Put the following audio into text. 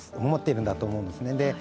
思っているんだと思うんですね